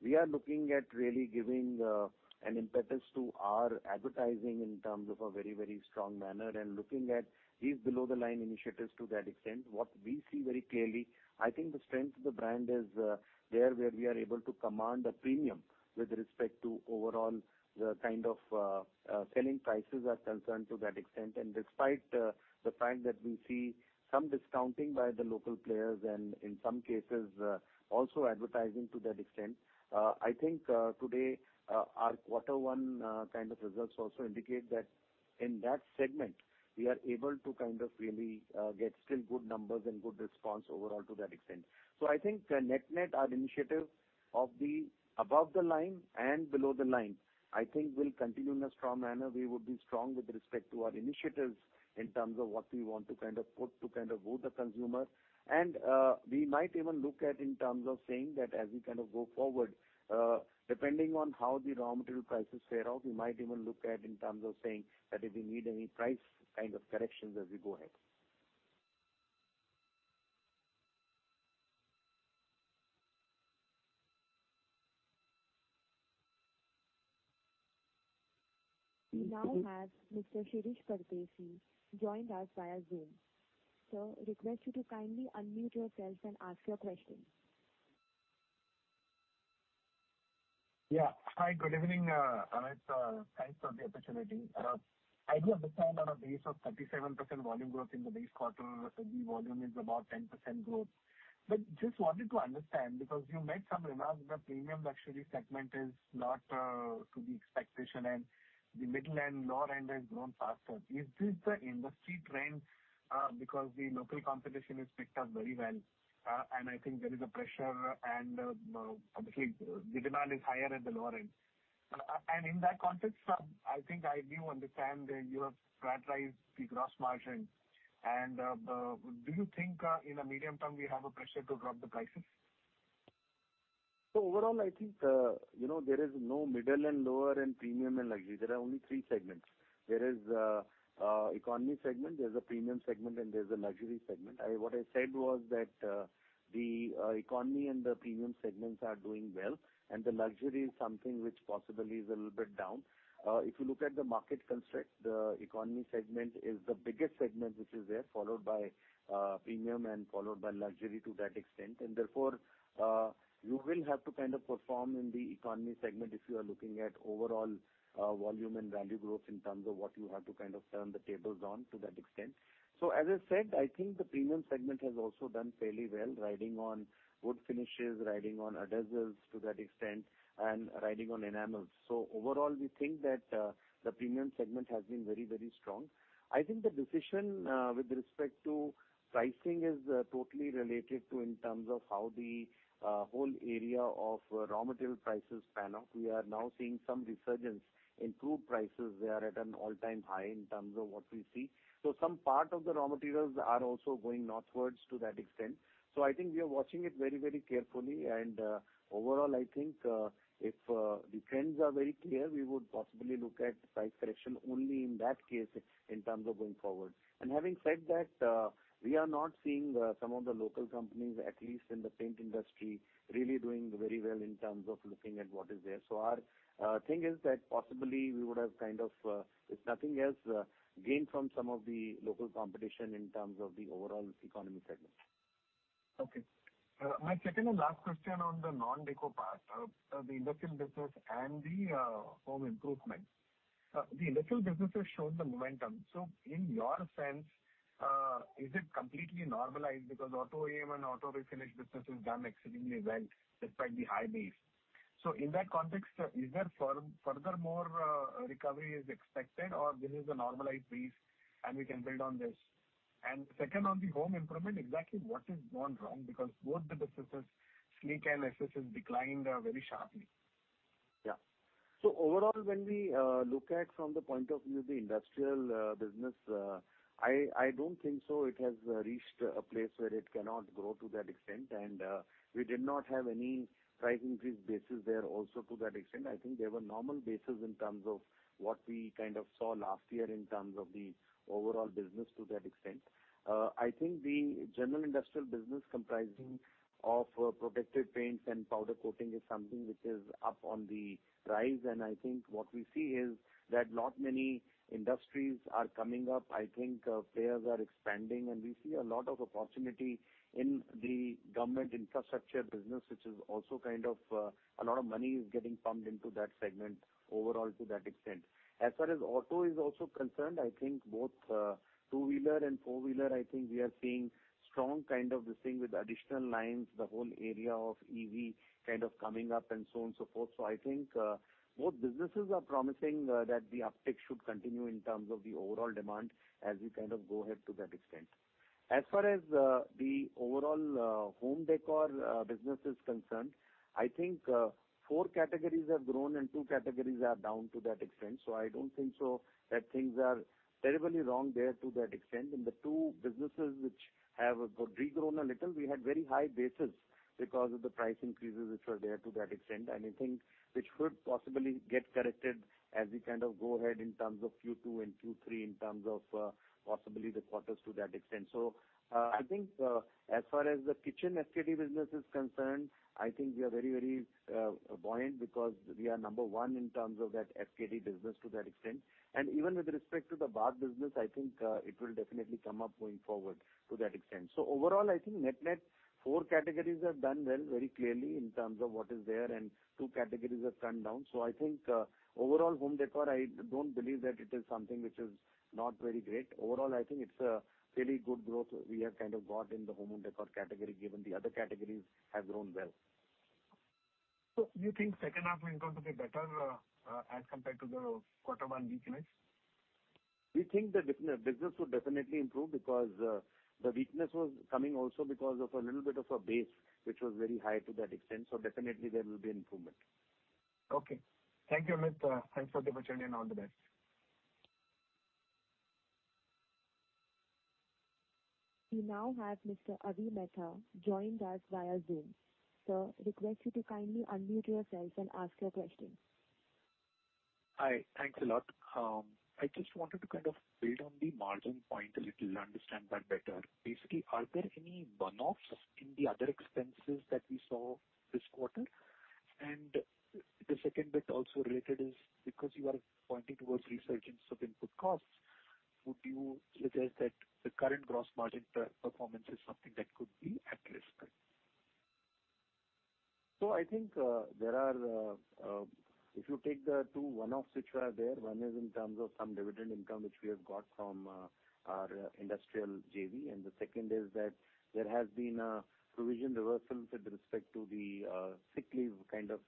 we are looking at really giving an impetus to our advertising in terms of a very, very strong manner and looking at these below-the-line initiatives to that extent. What we see very clearly, I think the strength of the brand is there, where we are able to command a premium with respect to overall the kind of selling prices are concerned to that extent. Despite the fact that we see some discounting by the local players and, in some cases, also advertising to that extent, I think today, our quarter one kind of results also indicate that in that segment, we are able to kind of really get still good numbers and good response overall to that extent. I think, net-net, our initiative of the above the line and below the line, I think will continue in a strong manner. We would be strong with respect to our initiatives in terms of what we want to kind of put to kind of woo the consumer. We might even look at in terms of saying that as we kind of go forward, depending on how the raw material prices fare out, we might even look at in terms of saying that if we need any price kind of corrections as we go ahead. We now have Mr. Shirish Pardeshi joined us via Zoom. Sir, request you to kindly unmute yourself and ask your question. Yeah. Hi, good evening, Amit, thanks for the opportunity. I do understand on a base of 37% volume growth in the base quarter, so the volume is about 10% growth. Just wanted to understand, because you made some remarks, the premium luxury segment is not to the expectation, and the middle and lower end has grown faster. Is this the industry trend? Because the local competition is picked up very well, and I think there is a pressure and, obviously, the demand is higher at the lower end. In that context, I think I do understand that you have prioritized the gross margin. Do you think, in the medium term, we have a pressure to drop the prices? Overall, I think, you know, there is no middle and lower and premium and luxury. There are only three segments. There is economy segment, there's a premium segment, and there's a luxury segment. What I said was that the economy and the premium segments are doing well, and the luxury is something which possibly is a little bit down. If you look at the market construct, the economy segment is the biggest segment which is there, followed by premium and followed by luxury to that extent. You will have to kind of perform in the economy segment if you are looking at overall volume and value growth in terms of what you have to kind of turn the tables on to that extent. As I said, I think the premium segment has also done fairly well, riding on wood finishes, riding on adhesives to that extent, and riding on enamels. Overall, we think that the premium segment has been very, very strong. I think the decision with respect to pricing is totally related to in terms of how the whole area of raw material prices pan out. We are now seeing some resurgence in tube prices. They are at an all-time high in terms of what we see. Some part of the raw materials are also going northwards to that extent. I think we are watching it very, very carefully, and overall, I think, if the trends are very clear, we would possibly look at price correction only in that case, in terms of going forward. Having said that, we are not seeing some of the local companies, at least in the paint industry, really doing very well in terms of looking at what is there. Our thing is that possibly we would have kind of, if nothing else, gained from some of the local competition in terms of the overall economy segment. Okay. My second and last question on the non-deco part of the industrial business and the home improvement. The industrial businesses showed the momentum. In your sense, is it completely normalized because auto OE and auto refinish business has done exceedingly well despite the high base. In that context, is there further more recovery is expected or this is a normalized base and we can build on this? Second, on the home improvement, exactly what has gone wrong? Because both the businesses, Sleek and Ess Ess, is declining very sharply. Yeah. Overall, when we look at from the point of view of the industrial business, I don't think so it has reached a place where it cannot grow to that extent, and we did not have any price increase basis there also to that extent. I think they were normal basis in terms of what we kind of saw last year in terms of the overall business to that extent. I think the general industrial business comprising of protective paints and powder coating is something which is up on the rise. I think what we see is that not many industries are coming up. I think players are expanding, we see a lot of opportunity in the government infrastructure business, which is also kind of a lot of money is getting pumped into that segment overall to that extent. As far as auto is also concerned, I think both two-wheeler and four-wheeler, I think we are seeing strong kind of listing with additional lines, the whole area of EV kind of coming up and so on, so forth. I think both businesses are promising that the uptick should continue in terms of the overall demand as we kind of go ahead to that extent. As far as the overall home decor business is concerned, I think four categories have grown and two categories are down to that extent. I don't think so, that things are terribly wrong there to that extent. The two businesses which have regrown a little, we had very high bases because of the price increases which were there to that extent, and I think which could possibly get corrected as we kind of go ahead in terms of Q2 and Q3, in terms of possibly the quarters to that extent. I think as far as the kitchen FKD business is concerned, I think we are very, very buoyant because we are number one in terms of that FKD business to that extent. Even with respect to the bath business, I think it will definitely come up going forward to that extent. Overall, I think net-net, four categories have done well, very clearly, in terms of what is there, and two categories have come down. I think, overall home decor, I don't believe that it is something which is not very great. Overall, I think it's a really good growth we have kind of got in the home and decor category, given the other categories have grown well. You think second half is going to be better, as compared to the quarter one weakness? We think the business will definitely improve because the weakness was coming also because of a little bit of a base, which was very high to that extent. Definitely there will be improvement. Okay. Thank you, Amit. Thanks for the opportunity, and all the best. We now have Mr. Avi Mehta joined us via Zoom. Sir, request you to kindly unmute yourself and ask your question. Hi, thanks a lot. I just wanted to kind of build on the margin point a little to understand that better. Basically, are there any one-offs in the other expenses that we saw this quarter? The second bit also related is because you are pointing towards resurgence of input costs, would you suggest that the current gross margin performance is something that could be at risk? I think there are if you take the two one-offs which are there, one is in terms of some dividend income, which we have got from our industrial JV. The second is that there has been a provision reversal with respect to the sick leave kind of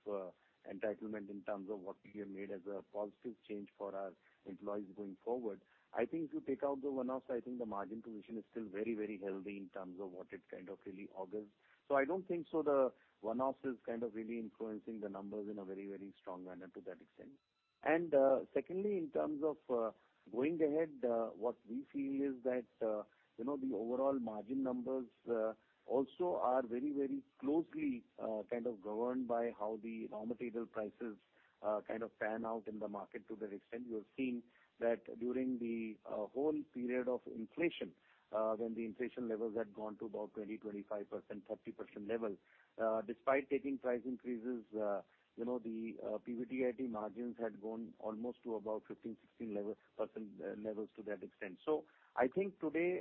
entitlement in terms of what we have made as a positive change for our employees going forward. I think if you take out the one-offs, I think the margin provision is still very, very healthy in terms of what it kind of really augurs. I don't think so the one-offs is kind of really influencing the numbers in a very, very strong manner to that extent. Secondly, in terms of going ahead, what we feel is that, you know, the overall margin numbers also are very, very closely kind of governed by how the raw material prices kind of pan out in the market to that extent. We have seen that during the whole period of inflation, when the inflation levels had gone to about 20%, 25%, 30% level, despite taking price increases, you know, the PBDIT margins had gone almost to about 15%-16% levels to that extent. I think today,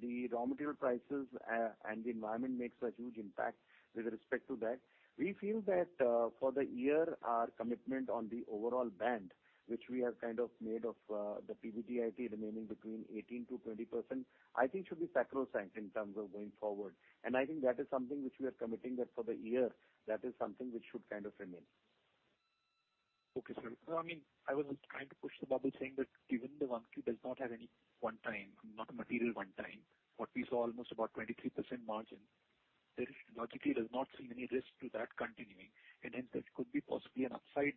the raw material prices and the environment makes a huge impact with respect to that. We feel that, for the year, our commitment on the overall band, which we have kind of made of, the PBDIT remaining between 18%-20%, I think should be sacrosanct in terms of going forward. I think that is something which we are committing that for the year, that is something which should kind of remain. Okay, sir. No, I mean, I was trying to push the bubble, saying that given the Q does not have any one time, not a material one time, what we saw almost about 23% margin, there logically does not seem any risk to that continuing, and then that could be possibly an upside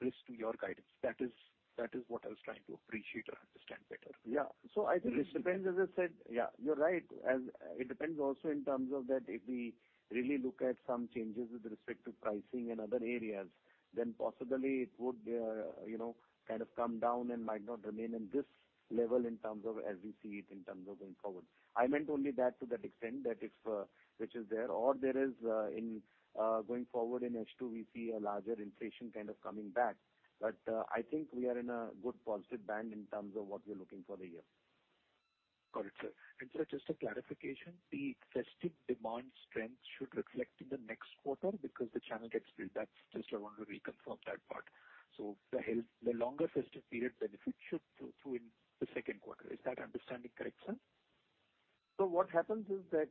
risk to your guidance. That is what I was trying to appreciate or understand better. Yeah. I think it depends, as I said. Yeah, you're right. As it depends also in terms of that, if we really look at some changes with respect to pricing in other areas, then possibly it would, you know, kind of come down and might not remain in this level in terms of as we see it in terms of going forward. I meant only that to that extent, that if which is there or there is in going forward in H2, we see a larger inflation kind of coming back. I think we are in a good positive band in terms of what we're looking for the year. Got it, sir. Sir, just a clarification, the festive demand strength should reflect in the next quarter because the channel gets built. That's just I want to reconfirm that part. The longer festive period benefit should go through in the second quarter. Is that understanding correct, sir? What happens is that,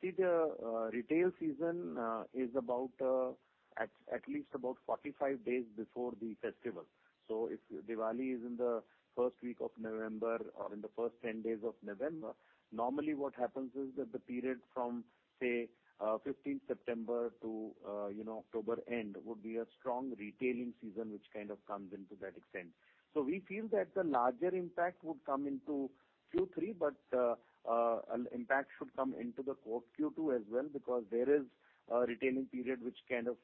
see the retail season, is about at least about 45 days before the festival. If Diwali is in the first week of November or in the first 10 days of November, normally what happens is that the period from, say, 15th September to, you know, October end, would be a strong retailing season, which kind of comes into that extent. We feel that the larger impact would come into Q3, but an impact should come into the quarter Q2 as well, because there is a retaining period which kind of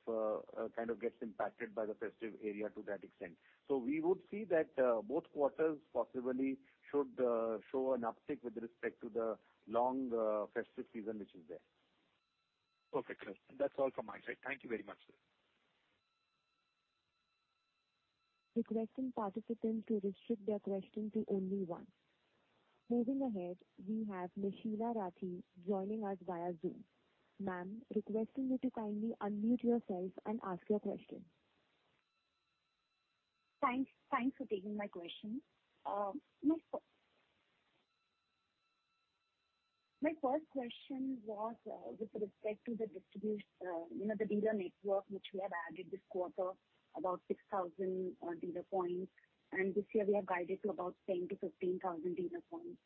gets impacted by the festive area to that extent. We would see that both quarters possibly should show an uptick with respect to the long, festive season, which is there. Perfect, sir. That's all from my side. Thank you very much, sir. Requesting participants to restrict their question to only one. Moving ahead, we have Ms. Sheela Rathi joining us via Zoom. Ma'am, requesting you to kindly unmute yourself and ask your question. Thanks, thanks for taking my question. My first question was with respect to the distribute, you know, the dealer network, which we have added this quarter, about 6,000 dealer points, and this year we have guided to about 10,000-15,000 dealer points.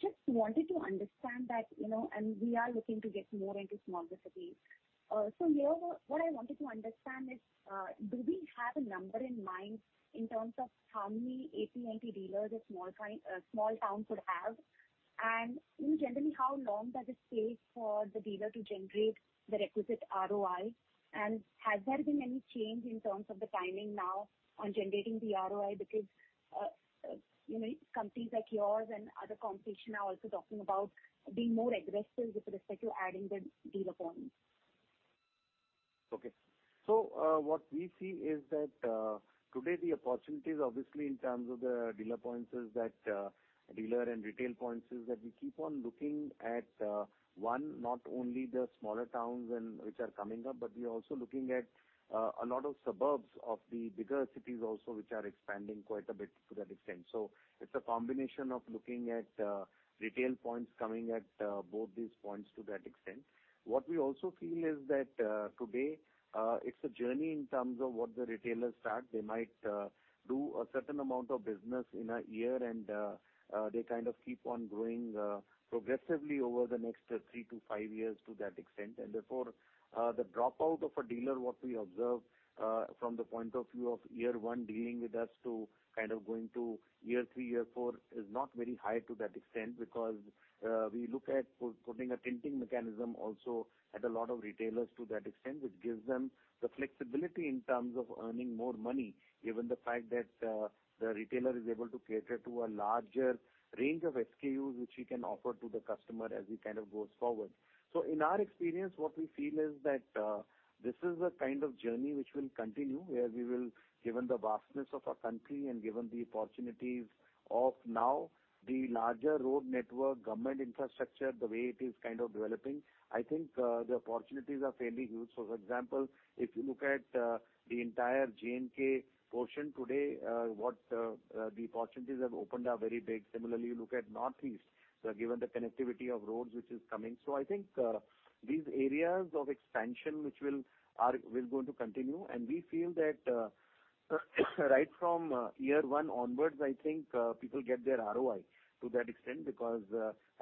Just wanted to understand that, you know, and we are looking to get more into smaller cities. So here, what I wanted to understand is, do we have a number in mind in terms of how many AP and AT dealers a small town could have? You know, generally, how long does it take for the dealer to generate the requisite ROI? Has there been any change in terms of the timing now on generating the ROI? You know, companies like yours and other competition are also talking about being more aggressive with respect to adding the dealer points. What we see is that today the opportunities, obviously, in terms of the dealer points is that dealer and retail points is that we keep on looking at one, not only the smaller towns and which are coming up, but we are also looking at a lot of suburbs of the bigger cities also, which are expanding quite a bit to that extent. It's a combination of looking at retail points coming at both these points to that extent. We also feel is that today it's a journey in terms of what the retailers start. They might do a certain amount of business in a year, and they kind of keep on growing progressively over the next three to five years to that extent. Therefore, the dropout of a dealer, what we observe, from the point of view of year one dealing with us to kind of going to year three, year four, is not very high to that extent. We look at putting a tilting mechanism also at a lot of retailers to that extent, which gives them the flexibility in terms of earning more money, given the fact that the retailer is able to cater to a larger range of SKUs, which he can offer to the customer as he kind of goes forward. In our experience, what we feel is that this is a kind of journey which will continue, where we will, given the vastness of our country and given the opportunities of now, the larger road network, government infrastructure, the way it is kind of developing, I think, the opportunities are fairly huge. For example, if you look at the entire J&K portion today, what the opportunities have opened are very big. Similarly, you look at Northeast, given the connectivity of roads, which is coming. I think, these areas of expansion, will going to continue. We feel that, right from year one onwards, I think, people get their ROI to that extent, because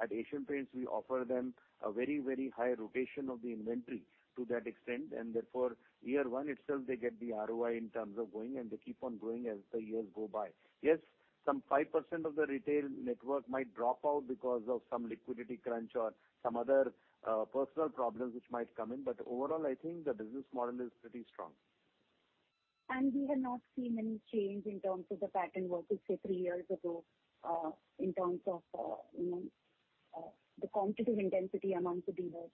at Asian Paints, we offer them a very, very high rotation of the inventory to that extent. Therefore, year 1 itself, they get the ROI in terms of growing, and they keep on growing as the years go by. Yes, some 5% of the retail network might drop out because of some liquidity crunch or some other personal problems which might come in, but overall, I think the business model is pretty strong. We have not seen any change in terms of the pattern versus, say, three years ago, in terms of, you know, the competitive intensity among the dealers?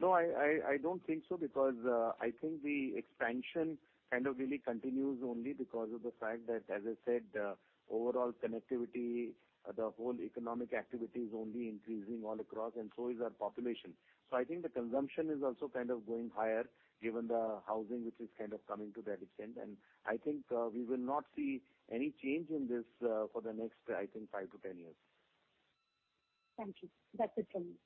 No, I don't think so, because I think the expansion kind of really continues only because of the fact that, as I said, overall connectivity, the whole economic activity is only increasing all across, and so is our population. I think the consumption is also kind of going higher, given the housing, which is kind of coming to that extent. I think, we will not see any change in this, for the next, I think, five to 10 years. Thank you. That's it from me.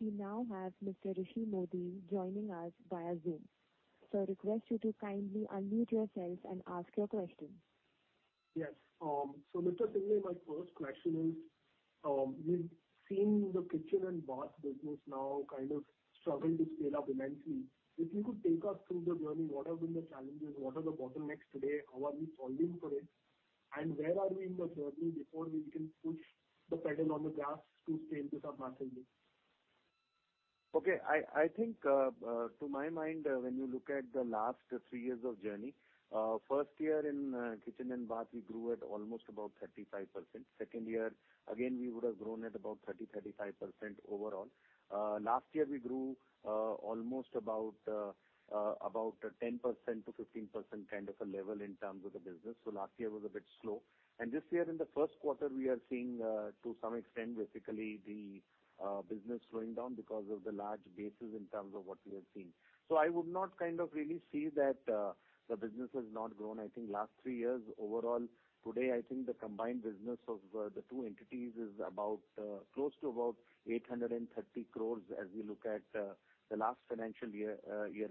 We now have Mr. Rishi Mody joining us via Zoom. Sir, I request you to kindly unmute yourself and ask your question. Mr. Syngle, my first question is, we've seen the kitchen and bath business now kind of struggling to scale up immensely. If you could take us through the journey, what have been the challenges? What are the bottlenecks today? How are we solving for it, and where are we in the journey before we can push the pedal on the gas to scale this up massively? Okay, I think to my mind, when you look at the last three years of journey, first year in kitchen and bath, we grew at almost about 35%. Second year, again, we would have grown at about 30%-35% overall. Last year, we grew almost about 10%-15%, kind of a level in terms of the business, so last year was a bit slow. This year, in the first quarter, we are seeing to some extent, basically, the business slowing down because of the large bases in terms of what we have seen. I would not kind of really say that the business has not grown. I think last three years overall, today, I think the combined business of the two entities is about close to about 830 crores as we look at the last financial year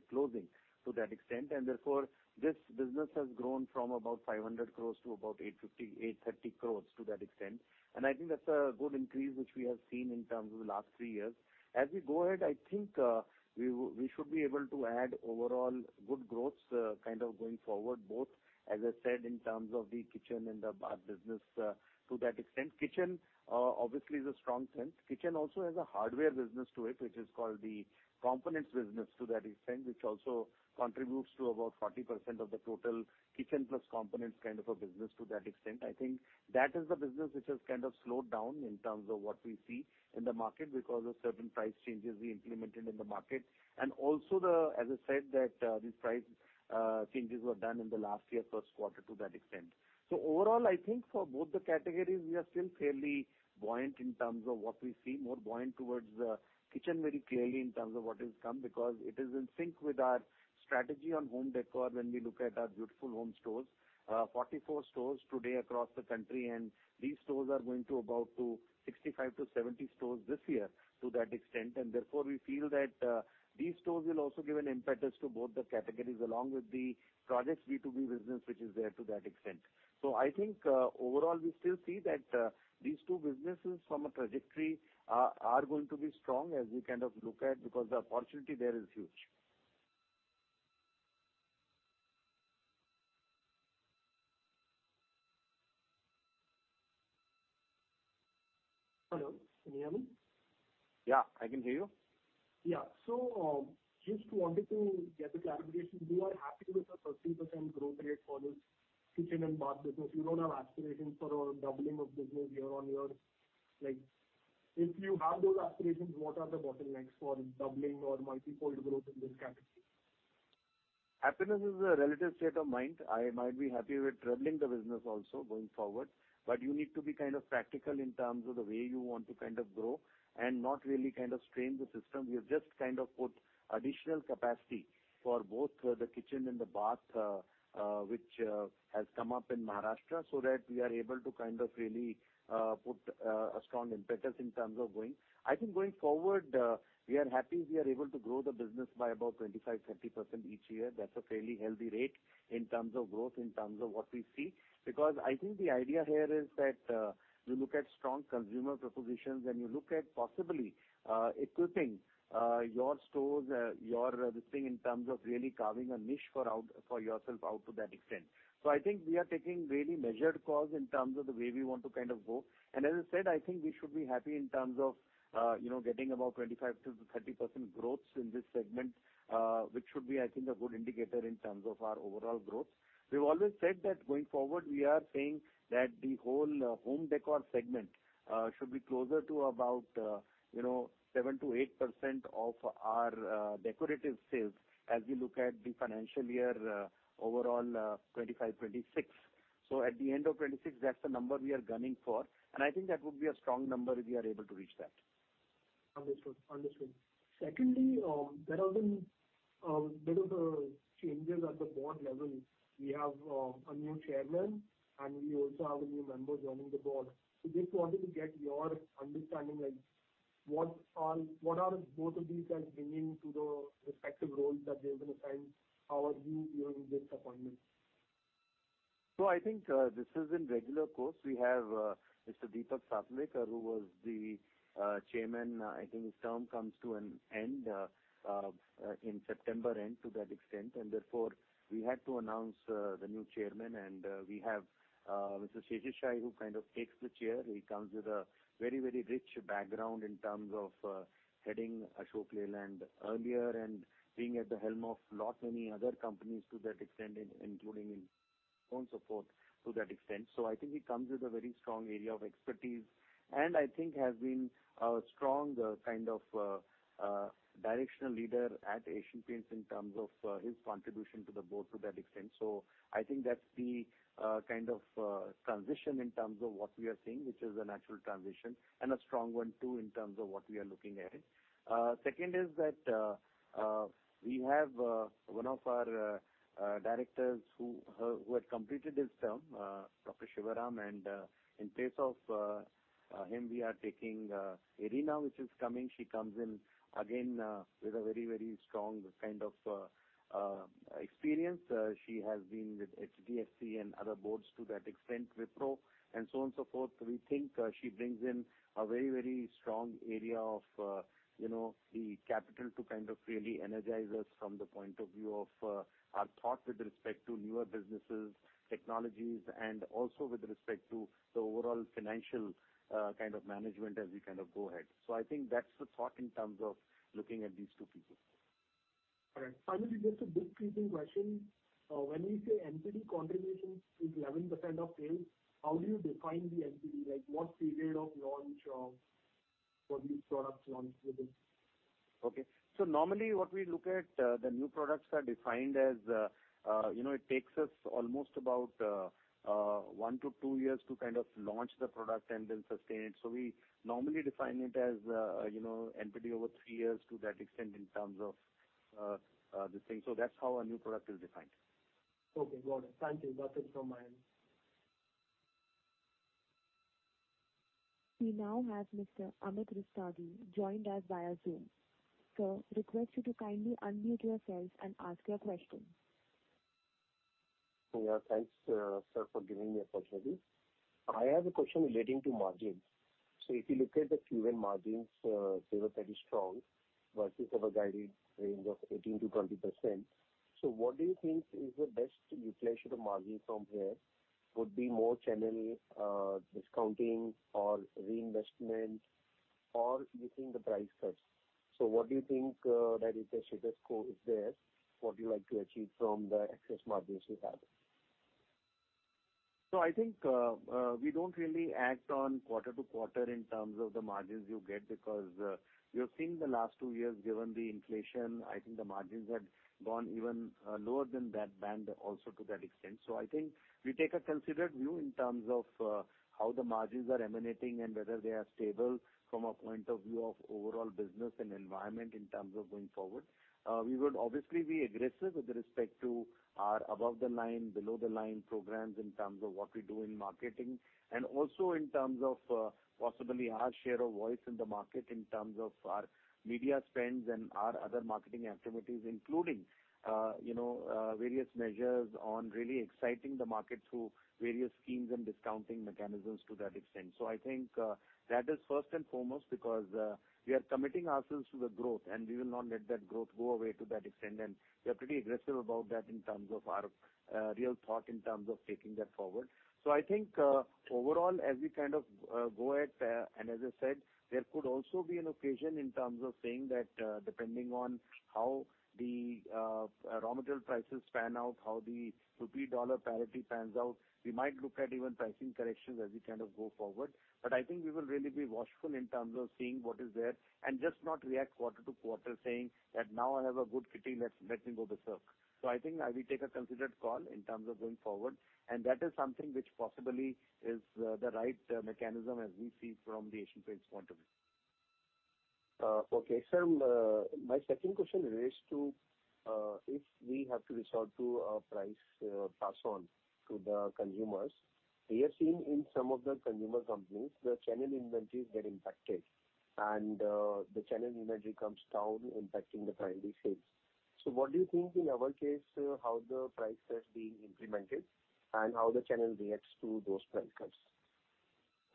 closing, to that extent. Therefore, this business has grown from about 500 crores to about 850, 830 crores, to that extent. I think that's a good increase, which we have seen in terms of the last three years. As we go ahead, I think, we should be able to add overall good growths, kind of going forward, both, as I said, in terms of the kitchen and the bath business, to that extent. Kitchen, obviously, is a strong sense. Kitchen also has a hardware business to it, which is called the components business to that extent, which also contributes to about 40% of the total kitchen plus components, kind of a business to that extent. I think that is the business which has kind of slowed down in terms of what we see in the market, because of certain price changes we implemented in the market. Also as I said, that these price changes were done in the last year, first quarter to that extent. Overall, I think for both the categories, we are still fairly buoyant in terms of what we see, more buoyant towards the kitchen very clearly in terms of what is come, because it is in sync with our strategy on home decor when we look at our Beautiful Homes stores. 44 stores today across the country, these stores are going to about to 65-70 stores this year, to that extent. Therefore, we feel that these stores will also give an impetus to both the categories along with the project B2B business, which is there to that extent. I think, overall, we still see that these 2 businesses from a trajectory are going to be strong as we kind of look at, because the opportunity there is huge. Hello, can you hear me? Yeah, I can hear you. Yeah. Just wanted to get the clarification. We are happy with the 13% growth rate for this kitchen and bath business. You don't have aspirations for a doubling of business year-on-year. Like, if you have those aspirations, what are the bottlenecks for doubling or multiple growth in this category? Happiness is a relative state of mind. I might be happy with trebling the business also going forward, but you need to be kind of practical in terms of the way you want to kind of grow and not really kind of strain the system. We have just kind of put additional capacity for both the kitchen and the bath, which has come up in Maharashtra, so that we are able to kind of really put a strong impetus in terms of going. I think going forward, we are happy we are able to grow the business by about 25, 30% each year. That's a fairly healthy rate in terms of growth, in terms of what we see. I think the idea here is that, you look at strong consumer propositions, and you look at possibly, equipping, your stores, your this thing in terms of really carving a niche for yourself out to that extent. I think we are taking really measured calls in terms of the way we want to kind of go. As I said, I think we should be happy in terms of, you know, getting about 25%-30% growth in this segment, which should be, I think, a good indicator in terms of our overall growth. We've always said that going forward, we are saying that the whole, home decor segment, should be closer to about, you know, 7%-8% of our, decorative sales as we look at the financial year, overall, 2025, 2026. At the end of 2026, that's the number we are gunning for. I think that would be a strong number if we are able to reach that. Understood. Understood. There have been bit of changes at the board level. We have a new chairman, and we also have a new members joining the board. Just wanted to get your understanding on what are both of these guys bringing to the respective roles that they have been assigned? How are you viewing this appointment? I think this is in regular course. We have Mr. Deepak Satwalekar, who was the chairman. I think his term comes to an end in September end, to that extent. Therefore, we had to announce the new chairman. We have Mr. R. Seshasayee, who kind of takes the chair. He comes with a very, very rich background in terms of heading Ashok Leyland earlier and being at the helm of lot many other companies to that extent, including in, so on, so forth, to that extent. I think he comes with a very strong area of expertise, and I think has been a strong kind of directional leader at Asian Paints in terms of his contribution to the board to that extent. I think that's the kind of transition in terms of what we are seeing, which is a natural transition and a strong one, too, in terms of what we are looking at. Second is that we have one of our directors who had completed his term, Dr. S. Sivaram, and in place of him, we are taking Ireena Vittal, which is coming. She comes in again with a very, very strong kind of experience. She has been with HDFC and other boards to that extent, Wipro, and so on, so forth. We think, she brings in a very, very strong area of, you know, the capital to kind of really energize us from the point of view of, our thought with respect to newer businesses, technologies, and also with respect to the overall financial, kind of management as we kind of go ahead. I think that's the thought in terms of looking at these two people. All right. Finally, just a brief briefing question. When we say entity contribution is 11% of sales, how do you define the entity? Like, what period of launch of, for these products launch within? Okay. Normally, what we look at, the new products are defined as, you know, it takes us almost about one to two years to kind of launch the product and then sustain it. We normally define it as, you know, entity over three years to that extent in terms of the thing. That's how a new product is defined. Okay, got it. Thank you. Got it from my end. We now have Mr. Amit Rustagi, joined us via Zoom. Sir, request you to kindly unmute yourselves and ask your question. Yeah, thanks, sir, for giving me opportunity. I have a question relating to margins. If you look at the Q1 margins, they were very strong, versus our guided range of 18%-20%. What do you think is the best utilization of margin from here? Would be more channel, discounting or reinvestment, or you think the price cuts? What do you think, that is the sweetest score is there? What do you like to achieve from the excess margins you have? I think we don't really act on quarter to quarter in terms of the margins you get. We have seen the last two years, given the inflation, I think the margins have gone even lower than that band also to that extent. I think we take a considered view in terms of how the margins are emanating, and whether they are stable from a point of view of overall business and environment in terms of going forward. We would obviously be aggressive with respect to our above the line, below the line programs, in terms of what we do in marketing. Also in terms of, possibly our share of voice in the market, in terms of our media spends and our other marketing activities, including, you know, various measures on really exciting the market through various schemes and discounting mechanisms to that extent. I think, that is first and foremost, because, we are committing ourselves to the growth, and we will not let that growth go away to that extent. We are pretty aggressive about that in terms of our, real thought, in terms of taking that forward. I think, overall, as we kind of go ahead, and as I said, there could also be an occasion in terms of saying that, depending on how the raw material prices pan out, how the rupee dollar parity pans out, we might look at even pricing corrections as we kind of go forward. I think we will really be watchful in terms of seeing what is there, and just not react quarter to quarter, saying that, "Now I have a good fitting, let me go berserk." I think I will take a considered call in terms of going forward, and that is something which possibly is the right mechanism as we see from the Asian Paints point of view. Okay, sir. My second question relates to, if we have to resort to a price, pass on to the consumers. We have seen in some of the consumer companies, the channel inventories get impacted, and, the channel inventory comes down, impacting the kindly sales. What do you think in our case, how the price is being implemented, and how the channel reacts to those price cuts?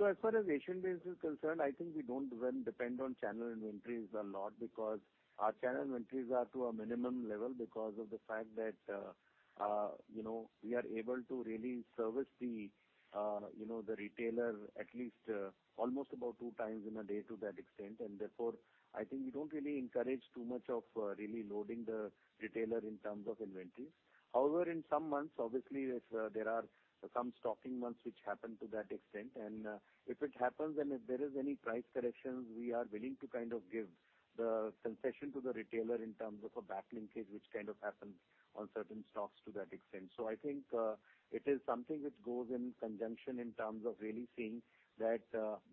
As far as Asian Paints is concerned, I think we don't really depend on channel inventories a lot, because our channel inventories are to a minimum level because of the fact that, you know, we are able to really service the, you know, the retailer at least almost about two times in a day to that extent. Therefore, I think we don't really encourage too much of really loading the retailer in terms of inventories. However, in some months, obviously, if there are some stocking months which happen to that extent, and if it happens, and if there is any price corrections, we are willing to kind of give the concession to the retailer in terms of a backlinkage, which kind of happens on certain stocks to that extent. I think, it is something which goes in conjunction in terms of really seeing that,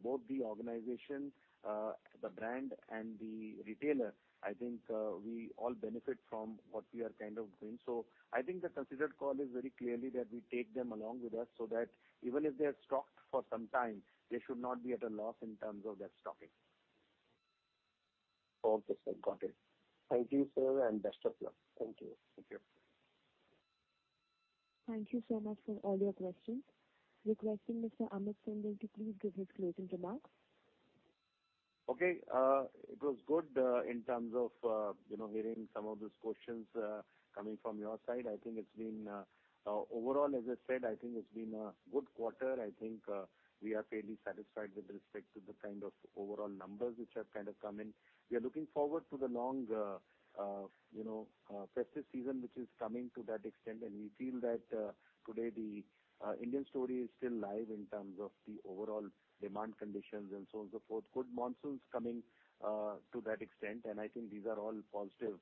both the organization, the brand, and the retailer, I think, we all benefit from what we are kind of doing. I think the considered call is very clearly that we take them along with us, so that even if they are stocked for some time, they should not be at a loss in terms of their stocking. Okay, sir. Got it. Thank you, sir, and best of luck. Thank you. Thank you. Thank you so much for all your questions. Requesting Mr. Amit Syngle to please give his closing remarks. Okay, it was good, in terms of, you know, hearing some of those questions, coming from your side. I think it's been. Overall, as I said, I think it's been a good quarter. I think, we are fairly satisfied with respect to the kind of overall numbers which have kind of come in. We are looking forward to the long, you know, festive season, which is coming to that extent. We feel that, today, the Indian story is still live in terms of the overall demand conditions and so on, so forth. Good monsoons coming, to that extent, and I think these are all positive,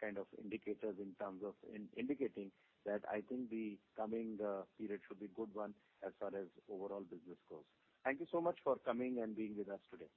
kind of indicators in terms of indicating that I think the coming period should be good one, as far as overall business goes. Thank you so much for coming and being with us today.